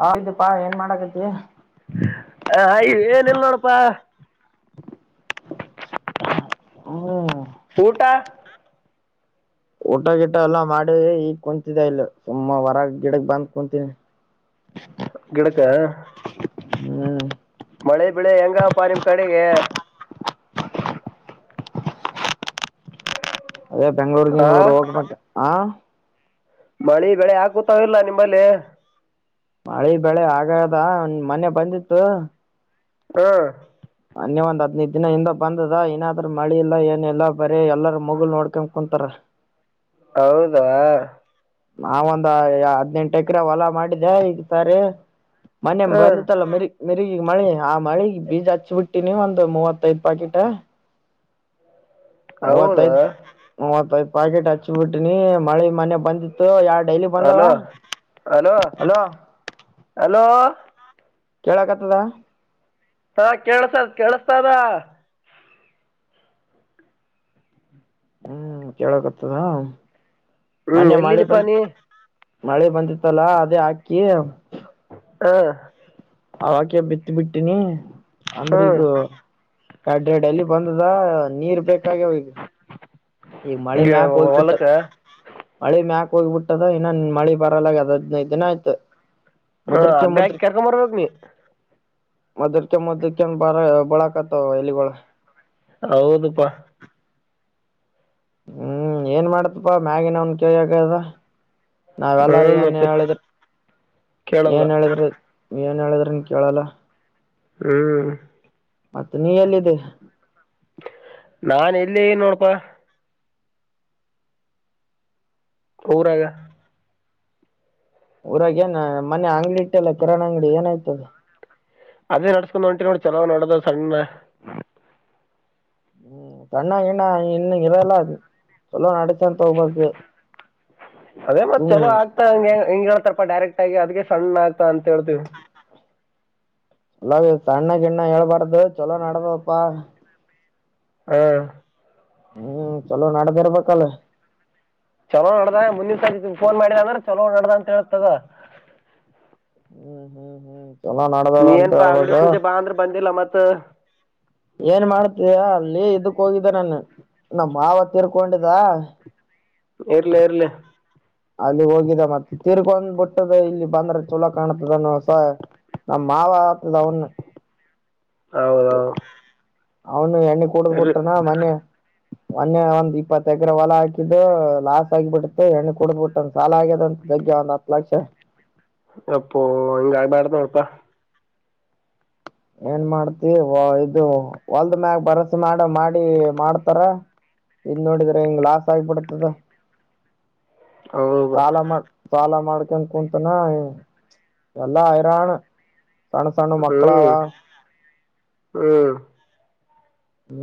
ಹ ಇದು ಪಾ ಏನ್ ಮಾಡಾಕತಿ. ಲ್ ನೋಡಪಾ ಹ್ಮ ಊಟ ಊಟ ಗಿಟ ಎಲ್ಲ ಮಾಡಿ ಈಗ್ ಕುಂತಿದ್ದ ಇಲ್ಲ ಸುಮ್ಮ ಹೊರಗ ಗಿಡಕ್ ಬಂದ ಕುಂತಿನಿ. ಗಿಡಕ್ಕ ಹ್ಮ್ ಮಳೆ ಬೆಳೆ ಹೆಂಗವಪ್ಪಾ ನಿಮ್ ಕಡೆಗೆ. ಅದೇ ಬೆಂಗ್ಳೂರ್ ಹಾ ಗಿಂಗ್ಳೂರ ಹೋಗ್ಬೇಕ. ಆ ಮಳೆ ಬೆಳೆ ಆಗಕುತಾವ ಇಲ್ಲ ನಿಂಬಲ್ಲಿ. ಮಳೆ ಬೆಳೆ ಆಗ್ಯದ ಮನ್ನೇ ಬಂದಿತ್ತು. ಹಾ ಮೊನ್ನೆ ಒಂದ್ ಹದ್ನೈದ ದಿನ ಹಿಂದ ಬಂದದ ಏನಾದ್ರ ಮಳಿ ಇಲ್ಲಾ ಏನ ಇಲ್ಲಾ ಬರೀ ಎಲ್ಲಾರ ಮುಗಲ್ ನೋಡ್ಕತ್ ಕುಂತಾರ. ಹೌದಾ ನಾವ ಒಂದ ಎ ಎ ಹದ್ನೆೆಂಟ ಎಕ್ರ ಹೊಲಾ ಮಾಡಿದ್ದೆ ಈಗ ಸರಿ ಮನ್ನೆ ಹ್ಮ್ ಬಂದತಲ್ಲ ಮರಿ. ಮಿರ್ಗ ಈಗ ಮಳೆ ಆ ಮಳಿಗ್ ಬೀಜ ಹಚ್ಚ ಬಿಟ್ಟಿನಿ ಒಂದ ಮೂವತ್ತೈದ್ ಪಾಕೆಟ್ ಹೌದಾ ಒತಾಯ್ತ್ ಒತಾಯ್ತ್ ಪಾಕೆಟ್ ಹಚ್ಚಿಬಿಟ್ಟಿನಿ ಮಳೆ ಮನೆ ಬಂದಿತ್ತು ಯಾಡ್ ಹಲೋ ಹಲೋ ಹಲೋ ಕೇಳಕತ್ತದ? ಹಾ ಕೇಳ್ಸದ ಕೇಳಸ್ತದ. ಹ್ಮ್ ಕೇಳಕತ್ತದಾ. ಹ್ಮ್ ಎಲ್ಲಿದೀಪ್ಪ ನೀ ಮಳೆ ಬಂದಿತ್ತಲ್ಲ ಅದೇ ಹಾಕಿ ಹಾ ಅವಾಕ್ಕೆ ಬಿತ್ತ ಬಿಟ್ಟಿನಿ. ಅಂದ್ರೆ ಹ್ಮ್ ಈಗ ಯಡ್ಡೆಡ್ಡ ಎಲಿ ಬಂದದ. ನೀರ್ ಬೇಕಾಗ್ಯವ ಈಗ. ಈ ಮಳಿ ಮ್ಯ ಗೆ- ಕೋಲ್ಪಟ್ಟ. ಹೊಲಕ್ಕ ಮಳಿ ಮ್ಯಾಕ್ ಹೋಗಿಬಿಟ್ಟದ ಇನ್ನ ಮಳಿ ಬರಲ್ಲ ಹೋಗ್ಯದ ಹದ್ನೈದ ದಿನ ಆಯ್ತ. ಹಾ ಹಗ್ಗ ಹಾಕಿ ಕೆರ್ಕೊಂಬರ್ಬೇಕ್ ನೀ. ಮೊದ್ರ್ಕ ಮುದರಕೋಂಡ್ ಬಾರ ಬಳಕತ್ತಾವ ಎಲಿಗೋಳ. ಹೌದುಪ್ಪಾ. ಹ್ಮ್ ಏನ್ ಮಾಡ್ತಪ್ಪಾ ಮ್ಯಾಗಿನವ್ನ ಕೈಯಾಗ ಅದಾ. ನಾವೆಲ್ಲಾರೂ ಹ್ಮ್ ಏನ್ ಮತ್ತೆ ಹೇಳಿದ್ರ ಕೇಳಲ್ಲ ಏನ್ ಹೇಳಿದ್ರ ನೀ ಏನ್ ಹೇಳಿದ್ರೂನೂ ಕೇಳಲ್ಲ ಹ್ಮ್ ಮತ್ತೆ ನೀ ಎಲ್ಲಿದಿ ನಾ ಇಲ್ಲಿದಿನೋಡಪಾ ಊರಾಗ ಊರಾಗ ಏನ ಮನೆ ಅಂಗಡಿ ಇಟ್ಟಲ್ಲ ಕಿರಣ್ ಅಂಗಡಿ ಏನಾಯ್ತದ ಅದೇ ನಡ್ಸ್ಕೊಂಡ್ ಹೊಂಟಿ ನೋಡಿ ಚಲೋ ನೋಡದು ಸಣ್ಣ ಹ್ಮ್ ಸಣ್ಣ ಗಿಣ್ಣ ಇನ್ನ ಇರಲ್ಲದ ಚುಲೋ ನಡಸ್ಗೆಂತ ಹೋಗ್ಬೇಕು ಅದೇ ಮತ್ ಸುಮ್ ಚಲೋ ಆಗ್ತಾ ಹಂ ಹೆಂಗ್ಳ್ತಾರಪ್ಪ ಡೈರೆಕ್ಟ್ ಹಾಗೆ ಅದ್ಕ್ ಸಣ್ಣ ಆಗ್ತಾ ಅಂತ ಹೇಳ್ತಿವಿ. ಎಲ ಸಣ್ಣ ಗಿಣ್ಣ ಹೇಳಳ್ಪಡ್ದ ಚೊಲೋ ನಡ್ದವಪ್ಪಾ ಹ ಹ್ಮ್ ಚಲೋ ನಡ್ದ ಇರ್ಬೇಕಲ್. ಚಲೋ ನಡ್ದ ಮುಂದಿನ್ ಸತಿ ಫೋನ್ ಮಾಡಿದ ಅಂದ್ರ ಚಲೋ ನಡ್ದ ಅಂತ ಹೇಳ್ತದ. ಹ್ಮ್ ಹ್ಮ್ ಹ್ಮ್ ಚಲೋ ನಡದದ ನೀ ಅಂತ ಏನ್ಪಾ ಅಂಗಡಿ ಹೇಳ್ಬೇಕು ಪೂಜೆ ಬಾ ಅಂದ್ರ ಬಂದಿಲ್ಲ ಮತ್ ತ್ತ ಏನ್ ಮಾಡ್ತೀಯೋ ಅಲ್ಲಿ ಇದಕ್ ಹೋಗಿದ್ದೆ ನಾನು ನ ಮಾವ ತೀರ್ಕೊಂಡ [unintelligible] ಇರ್ಲಿ ಇರ್ಲಿ ಅಲ್ಲಿ ಹೋಗಿದ ಮತ್ತೆ ತಿೀರ್ಕೊಂಡ್ಬ ಬಿಟ್ಟದ ಇಲ್ಲಿ ಬಂದ್ರೆ ಚಲೋ ಕಾಣ್ತದನ್ನುಸ ನಮ್ಮ ಮಾವ ಆಗ್ತದ ಅವನ್ನ [inaudible] ಹೌದೌದು ಅವ್ನ್ ಎಣ್ಣೆ ಕುಡುದ್ ಇರ್ಲಿ ಬುಟ್ಟನಾ ಮನ್ನೆ. ಮೊನ್ನೆ ಒಂದ್ ಇಪ್ಪತ್ತ ಎಕ್ರ ಹೊಲ ಹಾಕಿದ್ದು ಲಾಸ್ ಆಗಿಬಿಡತ್ತು ಹೆಣ್ ಕೊಡ್ಬಿಟ್ಟಂದ ಸಾಲ ಆಗ್ಯದಂತ ದಗ್ಗೆ ಒಂದ್ ಹತ್ತ ಲಕ್ಷ. ಯಪ್ಪೋ ಹಂಗ್ ಆಗ್ಬ್ಯಾಡ್ ನೋಡಪ್ಪ. ಏನ್ ಮಾಡ್ತಿ ವೊ ಇದು ಹೊಲ್ದ ಮ್ಯಾಗ ಭರ್ಸೆ ಮಾಡ ಮಾಡಿ ಮಾಡ್ತಾರ ಇದ್ ನೋಡಿದ್ರ ಹಿಂಗ ಲಾಸ್ ಆಗ್ಬಿಡ್ತದ. ಹೌ ಪಾಲ ಮಾಡ್ಕನ್ ಕುಂತನ ಎಲ್ಲಾ ಹೈರಾಣ. ಸಣ್ಣ್ ಸಣ್ಣ್ ಹ್ಮ್ ಮಕ್ಕಳಾವಾ. ಹ್ಮ್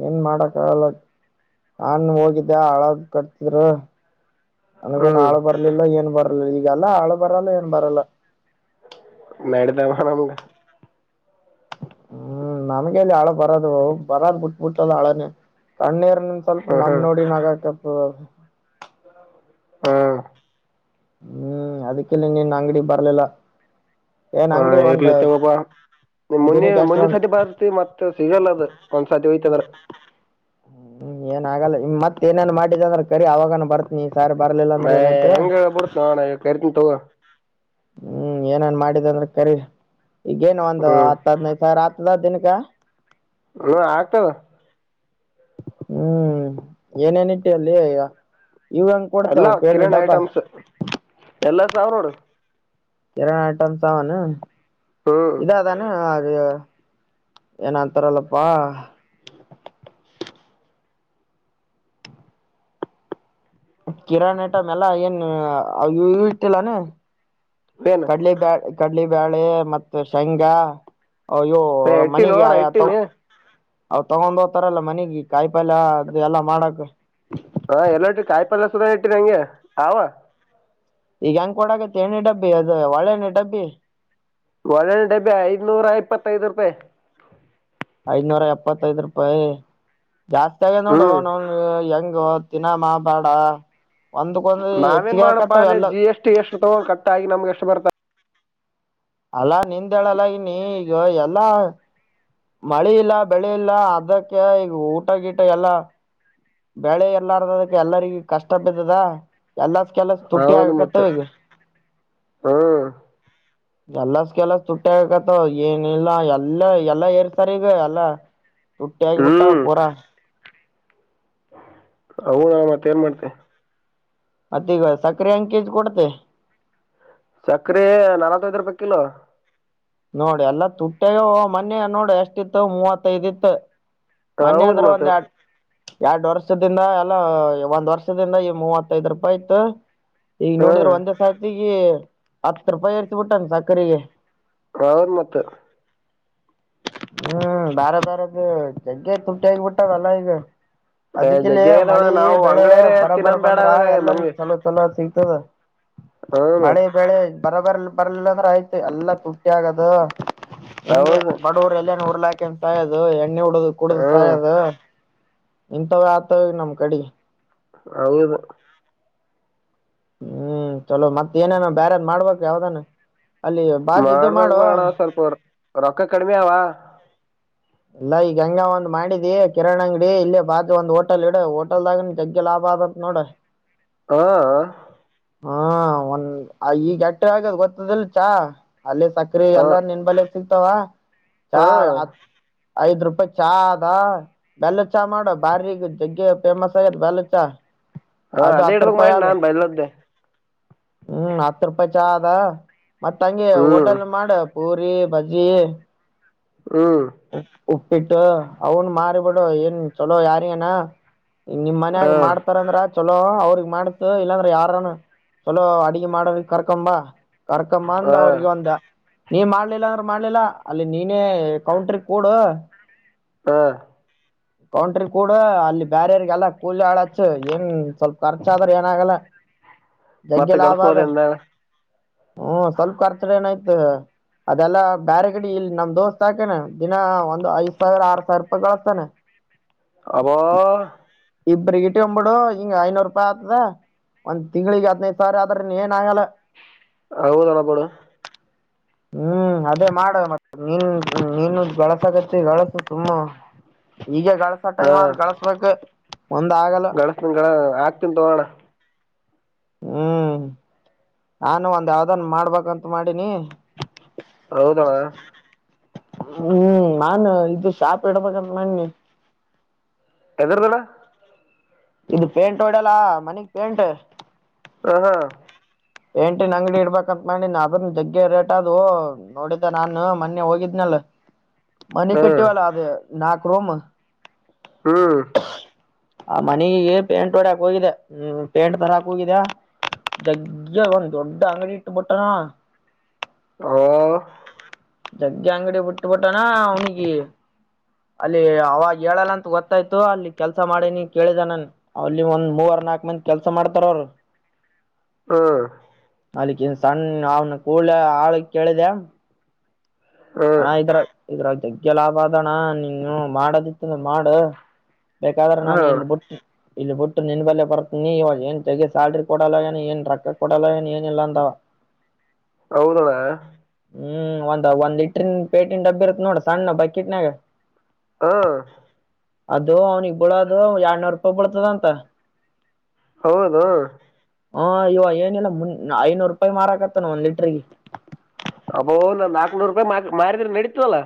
ಏನ್ ಮಾಡಕ್ಕಗಲ್ಲ ನನ್ ಹೋಗಿದ್ದೆ ಹಳಾಗ ಕಟ್ತಿದ್ರ. ನನಗ್ ನಾಳ್ ಹ್ಮ್ ಬರ್ಲಿಲ್ಲ ಏನ್ ಬರ್ ಈಗಲ್ಲ ಹಾಳ ಬರಲ್ಲ ಏನ್ ಬರಲ್ಲ. ನೆಡ್ದವಾ ನಮ್ಗ. ಹ್ಮ್ ನಮ್ಗೆಲ್ ಹಾಳ್ ಬರದು ಬರದ್ ಬಿಟ್ಬ ಬಿಟ್ಟದ ಹಾಳನೇ ಕಣ್ಣೀರ್ ಸ್ವಲ್ಪ ಹ್ಮ್ ನಮ್ ಹ್ಮ್ ನೋಡಿ ನಾಗಾಕ್ ಹ ಹ ಹ್ಮ್ ಅದಕ್ಕೆಲ್ಲ ನೀನ್ ಅಂಗ್ಡಿ ಬರ್ಲಿಲ್ಲ. ಏನ್ ಹಾ ಅಂಗಡಿ ಒಂದ್ ಇರ್ಲಿತ್ತಗೊಬ್ಬಾ ನಿಮ್ ಮುನ್ನೆ ದಿನಕ್ಕೆ ಎಷ್ಟು ಮುನ್ನೆ ಒಂದ್ ಸತಿ ಬರ್ತಿ ಮತ್ತೆ ಸಿಗಲ್ಲದ್ ಒಂದ್ಸತಿ ಹೋಯ್ತದ್ರ. ಹ್ಮ್ ಏನ್ ಆಗಲ್ಲ ಮತ್ ಏನೇನ್ ಮಾಡಿದ ಅಂದ್ರ ಕರಿ ಅವಾಗನ ಬರ್ತನಿ. ಸಾರಿ ಬರ್ಲಿಲ್ಲ ಅಂದ್ರ ಮ ಏನೈತೆ ಎಂಗ ಪುಡ್ತನಣ ಕರಿತಿನ್ ತಗೋ. ಹ್ಮ್ ಏನನ್ ಮಾಡಿದ್ದ ಅಂದ್ರೆ ಕರಿ. ಈಗೇನ್ ಒಂದು ಹ್ಮ್ ಹತ್ ಹದಿನೈದ್ ಸಾವ್ರ ಅತ್ ಎಲ್ಲಾ ದಿನಕ. ಹ ಆಗ್ತದ. ಹ್ಮ್ ಏನೇನ ಇಟ್ಟೀ ಅಲ್ಲಿ ಈಗ. ಇವಂಗ ಕೊಡ್ತೇವೆ ಎಲ್ಲ ಉ ಪೇಡ ಡಬ್ಬ. ಸಾವರೋಡು. ಕೀರಾಣಿ ಐಟಮಸಾವನ್. ಹ್ಮ್ ಇದಾದಾನೆ. ಏ ಏನ ಅಂತರಲಪ್ಪ. ಕಿರಾಣ ಟ ಮೆಲ್ಲ ಏನ್ ಇ ಇವ್ ಇಟ್ಟಿಲ್ಲಾನ. ಏನ್ ಕಡ್ಲಿ ಬ್ಯಾಡ್. ಕಡ್ಲಿ ಬಾಳೆ ಮತ್ತ ಶೇಂಗಾ. ಅಯ್ಯೋ ಏ ಇಟ್ಟಿ ಮನಿಗ್ ನೋಡಣ ಯಯಾ ತಾವು. ಇಟ್ಟಿನಿ ಅವ್ ತಗೊಂಡ್ ಹೋಗತಾರಲ್ಲ ಮನಿಗಿ ಕಾಯಿ ಪಲ್ಯ ಅದ ಎಲ್ಲಾ ಮಾಡಕ್. ಹಾ ಎಲ್ಲಟಿ ಕಾಯಿ ಪಲ್ ಸುದ ಇಟ್ಟ್ರಿ ನಂಗೆ ಅವ. ಈಗ ಹೆಂಗ್ ಕೊಡಗತ್ತಿ ಎಣ್ಣಿ ಡಬ್ಬಿ ಅದು ಒಳೆಣ್ಣ ಡಬ್ಬಿ. ಒಳ್ಳಣ ಡಬ್ಬೆ ಐನೂರ ಇಪ್ಪತ್ತೈದು ರೂಪಾಯಿ. ಐನೂರ ಎಪ್ಪತ್ತೈದ ರೂಪಾಯಿ. ಜಾಸ್ತಿ ಆಗ ನೋಡು ಹ್ಮ್ ನ ಹೆಂಗ. ದಿನಾಮ ಬಾಡ. ನಾವೇನ್ ಮಾಡೋ ಪಾಲೆ ಜಿ ಎಸ್ ಟಿ ಎಷ್ಟು ತಗೊಂಡ್ ಕಟ್ಟಾಗಿ ನಮ್ಗೆ ಎಷ್ಟು ಬರ್ತಾ. ಅಲ್ಲಾ ನಿಂದ ಹೇಳಲ್ಲಗಿನಿ ಈಗ ಎಲ್ಲಾ. ಮಳೆ ಇಲ್ಲ ಬೆಳೆ ಇಲ್ಲ ಅದಕ್ಕೆ ಈಗ ಊಟ ಗೀಟ ಎಲ್ಲ. ಬೆಳೆ ಎಲ್ಲಾರದದಕ್ಕೆ ಎಲ್ಲರಿಗ ಕಷ್ಟ ಬಿದ್ದದಾ. ಎಲ್ಲಸ್ ಕೆಲಸ ತುಟ್ಟಿ ಹೌದು ಮತ್ತ ಆಗಕತ್ತವೆಗ. ಹ್ಮ್ ಎಲ್ಲಸ್ ಕೆಲ್ಲಸ ತುಟ್ಟಿ ಆಗಕತವ ಏನಿಲ್ಲ ಎಲ್ಲ ಎಲ್ಲ ಎರಸ್ತಾರ್ ಈಗ ಎಲ್ಲ. ತುಟ್ಟಿ ಆಗಿಬಿಟ್ಟ ಪುರಾ. ಹೌದಳ ಮತ್ತೆ ಏನ್ ಮಾಡ್ತಿ. ಮತ್ತ ಈಗ ಸಕ್ಕರಿ ಹೆಂಗ್ ಕೆಜಿ ಕೊಡ್ತಿ. ಹ. [inaudible] ನೋಡಿ ಎಲ್ಲ ತುಟ್ಟಿಗ್ಯಾವೋ ಮನ್ಯ ನೋಡ ಎಷ್ಟಿತ್ತ ಮೂವತ್ತೈದ್ ಇತ್ತ. ಮನ್ನೆ ಹೌದು ಅಂದ್ರೆ ಮತ್ತ ಒಂದ್ ಯಾಡ್. ಯಾಡ್ ವರ್ಷದಿಂದ ಎಲ್ಲ ಒಂದ್ ವರ್ಷದಿಂದ ಈ ಮೂವತ್ತೈದ್ ರೂಪಾಯಿ ಇತ್ತ. ಈಗ ನೋಡಿದ್ರು ಹ್ಮ್ ಒಂದೇ ಸತಿ. ಹತ್ತ ರೂಪಾಯಿ ಎರ್ಸಿ ಬಿಟ್ಟನ ಸಕ್ಕರಿಗೆ. ಹೌದ್ ಮತ್ತ. ಹ್ಮ್ ಬ್ಯಾರೆ ಬ್ಯಾರೆದು. ಜಗ್ಗೆ ತುಟ್ಟಿ ಆಗ್ಬಿಟ್ಟಾವ್ ಎಲ್ಲ ಈಗ. ಜಗ್ಗಿ ಅದಕ್ಕಿಲ್ಲಿ ಆಗ್ಯದಣ್ಣ ಮಳಿ ನಾವು ಬೆಳೆ ಅಂಗಡ್ಯಾರೆ ಬರಬ್ಬರ್ ತಿನ್ನೋದ್ ಬೇಡ ಬಂದ್ರ ಅನ್ನಂಗ್ ಆಗ್ಯದ ಎಲ್ಲರಿಗ ನಮ್ಗೆ ಚಲೋ ಚಲೋ ಸಿಗ್. ತದ. ಹ್ಮ್ ಮಳೆ ಮತ್ ಬೆಳೆ ಬರಬರ್ಲ್ ಬರಲ್ಲ ಅಂದ್ರೆ ಆಯ್ತು ಎಲ್ಲ ತುಟ್ಟಿ ಆಗದು ಹಂಗೆ ಹೌದು ಬಡೋರ್ ಎಲ್ಲ ನೂರು ಲಾ ಕಂತ ಅಯದು ಎಣ್ಣೆ ಹುಡು ಕುಡ್ದ ಹ್ಮ್ ಸಾಯದು. ಇಂತವ ಆತವೆ ನಮ್ ಕಡಿಗಿ. ಹೌದ. ಹ್ಮ್ ಚಲೋ ಮತ್ತತ್ ಏನೇನ ಬ್ಯಾರಾದ್ ಮಾಡ್ಬೇಕ ಯಾವ್ದಾನ? ಅಲ್ಲಿ ಬಾಜ್ ಇದು ಮಾಡ್ದಾಗ್ ಮಾಡು ಬ್ಯಾಡ ಸಲ್ಪ ರಕ್ ರೊಕ್ಕ. ಕಡಿಮೆ ಅವ. ಎಲ್ಲಾ ಈಗ ಹೆಂಗ್ ಒಂದ್ ಮಾಡಿದಿ ಕಿರಣ್ ಅಂಗಡಿ ಇಲ್ಲ ಬಾಜು ಒಂದ್ ಹೋಟೆಲ್ ಇಡ ಹೋಟೆಲ್ದಾಗ ಜಗ್ಗಿ ಲಾಭ ಆದತ್ ನೋಡ. ಹಾ. ಹಾ ಒಂದ್ ಈಗ ಎಟ್ಟ ಆಗ್ಯದ್ ಗೊತ್ತದಿಲ್ಲ ಚಾ. ಅಲ್ಲಿ ಸಕ್ರೆ ಹಾ ಎಲ್ಲ ನಿನ್ ಬಳಿ ಸಿಗ್ತಾವಾ ಚಾ ಹಾ ಆ ಐದ್ ರೂಪಾಯಿ ಚಾ ಅದ ಬೆಲ್ಲದ ಚಾ ಮಾಡುವ ಬಾರಿಗ ಜಗ್ಗೆ ಫೇಮಸ್ ಆಗ್ಯದ ಬೇಲ್ಲ ಚಾ. ಹಾ ಅದು ಅದೇ ಹತ್ ಇಡ್ಬಕ್ ರೂಪಾಯಿ ಮಾಡಿ ಆದ ನಾನ್ ಬಯ್ಲದ್ದೆ ಹ್ಮ್ ಹತ್ತು ರೂಪಾಯಿ ಚಾ ಅದಾ ಮತ್ತ ಹಂಗೆ ಹ್ಮ್ ಹೋಟೆಲ್ ಮಾಡ್ ಪೂರಿ ಬಜ್ಜಿ ಹ್ಮ್ ಉಪ್ಪಿಟ್ಟು ಅವನು ಮಾರಿಬಿಡು ಏನ್ ಚುಲೋ ಯಾರ್ ಎನಾ ನಿಮ್ ಹಾ ಮನ್ಯಾಗ ಮಾಡ್ತಾರಂದ್ರ ಚಲೋ ಅವ್ರಿಗೆ ಮಾಡ್ಸ್ ಇಲ್ಲಾಂದ್ರೆ ಯಾರನ ಚಲೋ ಅಡಗೆ ಮಾಡರಿಗ್ ಕರ್ಕಂಬಾ ಕರ್ಕಂಬಂದ ಹಾ ಅವ್ರಿಗೆ ಒಂದ್ ನೀನ್ ಮಾಡ್ಲಿಲ್ಲ ಅಂದ್ರ ಮಾಡ್ಲಿಲ್ಲ ಅಲ್ಲಿ ನೀನೇ ಕೌಂಟರ್ ಕೂಡ ಹಾ ಕೌಂಟ್ರಿ ಕೂಡ ಅಲ್ಲಿ ಬ್ಯಾರ್ಯರ್ಗೆಲ್ಲ ಕೂಲಿ ಆಳಚ್ಚ ಏನ್ ಸ್ವಲ್ಪ ಖರ್ಚ ಆದ್ರ ಏನ ಆಾಗಲ್ಲ ಜಗ್ಗೆ ಮತ್ತೆ ಲಾಭ ಅದ ಗಳಿಸ್ಬೋದೇಂದ ಹ್ಮ ಸ್ವಲ್ಪ ಖರ್ಚಡ ಏನಯ್ತು ಅದೆಲ್ಲಾ ಬ್ಯಾರೆಗಡಿ ಇಲ್ಲಿ ನಮ್ ದೋಸ್ತ್ ಹಾಕೇನೆ ದಿನಾ ಒಂದು್ ಐದ್ ಸಾವಿರ ಆರ್ ಸಾವಿರ ರೂಪಾಯಿ ಗಳಸ್ತಾನೆ ಅಬಾ ಇಬ್ಬ್ರೀಗಿಟ್ಗೊಂಬ್ಬಿಡು ಹಿಂಗ್ ಐನೂರು ರೂಪಾಯಿ ಆತದ ಒಂದ್ ತಿ್ಳಿಗೆ ಹದ್ನೈದ್ ಸಾವಿರ ಆದ್ರ ಏನ್ ಆಗಲ್ಲ ಹೌದನ ಬಿಡ ಹ್ಮ್ ಅದೇ ಮಾಡ ಮ ನೀನ್ ನೀನು ಗಳಸಕತ್ತೀ ಗಳಸು ಸುಮ್ಮ ಈಗ ಗಳಸ ಟೈಮ್ ಆದ ಗಳಸ್ಬೇಕ್ ಗಳಸ್ನ್ಗಳ ಆಗ್ತೀನ್ ತುಗೋಣ ಹ್ಮ್ ನಾನು ಒಂದ್ ಯಾವ್ದನ್ ಮಾಡ್ಬೇಕಂತ ಮಾಡಿನಿ. ಹೌದಾ ಹ್ಮ್ ನಾನು ಇದು ಶಾಪ್ ಇಡ್ಬೇಕಂತ ಮಾಡ್ನಿ. ಎದರದಳ ಇದು ಪೇಂಟ್ ಹೊಡ್ಯಲ್ಲ ಮನಿಗ್ ಪೇಂಟ್ ಹ ಹಾ ಪೇಂಟಿನ್ ಅಂಗಡಿ ಇಡ್ಬಬೇಕಂತ್ ಮಾಡಿನ ಅದನ್ನ ಜಗ್ಗೆ ರೇಟ್ ಅದು ನೋಡಿದ್ದ ನಾನ ಮೊನ್ನೆ ಹೋಗಿದ್ನಲ್ಲ ಮನಿ ಹ್ಮ್ ಕಟ್ಟೀವಲ್ಲ ಅದ ನಾ ಕ್ರೋಮ ಹ್ಮ್ ಆ ಮನಿಗೆ ಪೇಂಟ್ ಹೊಡ್ಯಾಕ್ ಹೋಗಿದೆ ಹ್ಮ್ ಪೇಂಟ್ ತರಾಕ್ ಹೋಗಿದ ಜಗ್ ಒಂದ ದೊಡ್ಡ ಅಂಗಡಿ ಇಟ್ಟ ಬಿಟ್ಟಣ. [unintelligible] ಜಗ್ಗೆ ಅಂಗಡಿ ಬಿಟ್ಟಬಿಟ್ಟಾನ ಅವನಿಗಿ ಅಲ್ಲಿ ಅವಾಗ ಹೇಳಲ್ಲ ಅಂತ ಗೊತ್ತಾಯ್ತು ಅಲ್ಲಿ ಕೆಲ್ಸ ಮಾಡೇನಿ ಕೇಳಿದನನ್ ಅಲ್ಲಿ ಒಂದ್ ಮೂವರ್ ನಾಕ ಮಂದಿ ಕೆಲ್ಸ ಮಾಡ್ತಾರ ಅವರು ಹ್ಮ ಅಲ್ಲಿಕ್ಕೆನ್ ಸಣ್ಣ ಅವನ ಕೂಲ ಆಳಿಗ ಕೇಳಿದೆ ಅಣ ಹ್ಮ್ ಇದ್ರ ಇದ್ರಾಗ ಜಗ್ಗೆ ಲಾಭ ಅದಣ ನೀನೂ ಮಾಡದಿತ್ತ ಅಂದ್ರ ಮಾಡ. ಬೇಕಾದ್ರೆ ಹಾ ನಾನು ಇಲ್ ಬುಟ್ಟು ಇಲ್ಲಿ ಬಿಟ್ಟು ನಿನ್ ಬಲ್ಲೇ ಬರ್ತೀನಿ ಇವ ಏನ್ ಜಗ್ಗಿ ಸ್ಯಾಲ್ರಿ ಕೊಡಲ್ಲ ಏನ ಏನ್ ರೊಕ್ಕ ಕೊಡಲ್ಲ ಏನ ಏನ ಇಲ್ಲ ಅಂದ ಅವ್ ಹೌದದಣ ಹ್ಮ್ ಒಂದ ಒಂದ್ ಲಿ ಪೇಟಿನ ಡಬ್ಬ ಇರುತ್ತ ನೋಡ್ ಸಣ್ಣ ಬಕಿಟ್ನಾಗ ಹಾ ಅದು ಅವ್ನಿಗ ಬಿಳದು ಎಡ್ನೂರು ರೂಪಾಯಿ ಬಳ್ತದಂತ ಹೌದ ಹಾ ಇವ ಏನಿಲ್ಲ ಮುನ್ ಐನೂರು ರೂಪಾಯಿ ಮಾರಕತ್ತನ ಒಂದ್ ಲೀಟ್ರಿಗ. ಅಬೋ ನಾನ್ ನಾಕ್ನೂರು ರೂಪಾಯಿ ಮಾರಿದ್ರ ನಡೀತದ ಅಲ್ಲಾ.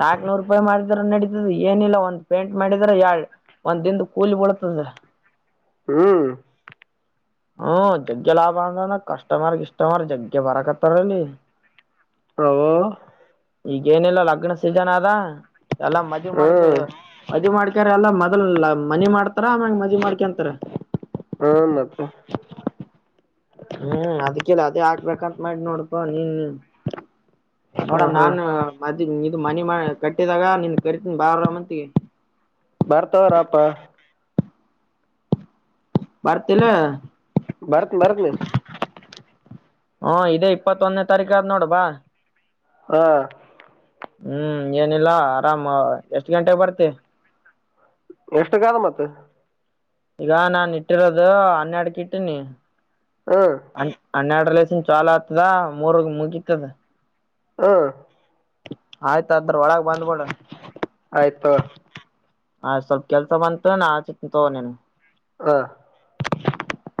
ನಾಕ್ನೂರು ರೂಪಾಯಿ ಮಾಡಿದ್ರ ನಡೀತದ ಏನಿಲ್ಲ ಒಂದ್ ಪೇಂಟ್ ಮಾಡಿದ್ರ ಯಾಳ್ ಒಂದ್ ದಿನ ಕೂಲಿ ಬಿಳತದ. ಹ್ಮ್ ಹ್ಮ ಜಗ್ಗಿ ಲಾಭ ಆದಣ್ಣ ಕಷ್ಟಮರ್ ಗಿಷ್ಟಮರ್ ಜಗ್ಗೆ ಬರಕತ್ತಾರಲ್ಲಿ. [unintelligible] ಈಗೇನಿಲ್ಲ ಲಗ್ನ ಸೀಜನ್ ಆದ ಎಲ್ಲಾ ಮದ್ವಿ ಮಾಡ್ಕ ಹ್ಮ್ ಮದ್ವಿ ಮಾಡಕ ಕಿರ್ಯ ಎಲ್ಲಾ ಮೊದಲ್ ಮನಿ ಮಾಡ್ತಾರ ಆಮ್ಯಲ ಮದಿ ಮಾಡ್ಕೊಂತರ. ಹಾ ಮತ್ತ. ಹ್ಮ್ ಅದ್ಕೆ ಇಲ್ಲಿ ಅದೇ ಹಾಕ್ಬೇಕಂತ ಮಾಡಿನ್ ನೋಡ್ಪಾ ಹ್ಮ. ಹ್ಮ್ ನೋಡಂ ಹ್ಮ್ ನಾನು ಮದ್ ಇದು ಮನೀ ಮ ಕಟ್ಟಿದಾಗ ನಿನ್ ಕರಿತೀನ ಬಾರಲ ಮತಿ ಬರ್ತವಾರಪ್ಪ ಬರ್ತಿಲ್ಲ. ಬರ್ತ್ ಬರ್ತ್ನೆ. ಹಾ ಇದೇ ಇಪ್ಪತ್ತೊಂದನೇ ತಾರೀಕ ಆದ ನೋಡ ಬಾ. ಹಾ ಹ್ಮ್ ಏನಿಲ್ಲ ಆರಾಮ ಎಷ್ಟ ಗಂಟೆಗೆ ಬರ್ತಿ? ಎಷ್ಟುಕ್ ಆದ್ ಮತ್ತ. ಈಗ ನಾನ್ ಇಟ್ಟಿರೋದು ಹನ್ನಡ್ಕ ಇಟ್ಟೀನಿ. ಹ್ಮ್ ಅನ್ ಹನ್ಯಡ್ ಲೇಸನ್ ಚಾಲ ಆಗ್ತದ ಮೂರ್ಗ್ ಮುಗಿತ್ತದ ಹಾ ಆಯ್ತ ಅದ್ರ ಒಳಗ ಬಂದಬೀಡ. ಆಯ್ತೋ. ಆ ಸ್ವಲ್ಪ ಕೆಲ್ಸ ಬಂತ ನ ಹಚಿತಿನ್ ತೋ ನಿಂಗ್. ಹಾ [inaudible]